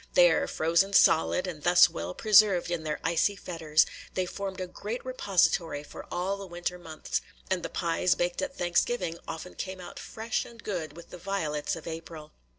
There, frozen solid, and thus well preserved in their icy fetters, they formed a great repository for all the winter months; and the pies baked at Thanksgiving often came out fresh and good with the violets of April.